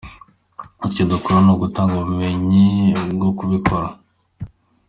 Ati "Icyo dukora ni ugutanga ubumenyi bwo kubikora.